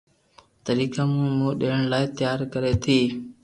طريقي سان منهن ڏيڻ لاءِ تيار ڪري ٿي